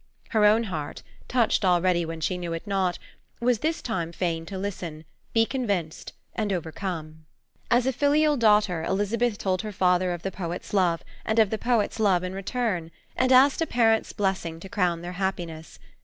Her own heart, touched already when she knew it not, was this time fain to listen, be convinced, and overcome. "As a filial daughter, Elizabeth told her father of the poet's love, and of the poet's love in return, and asked a parent's blessing to crown their happiness.